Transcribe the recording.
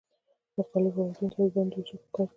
مختلفو واحدونو ته د دندو ویشل پکار دي.